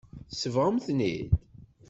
Tsebɣemt-ten-id.